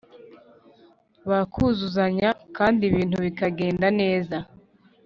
bakuzuzanya kandi ibintu bikagenda neza